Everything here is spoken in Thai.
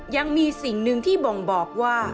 ยังมีสิ่งหนึ่งที่บ่งบอกว่า